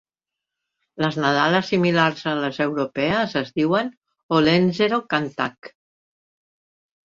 Les nadales, similars a les europees, es diuen Olentzero kantak.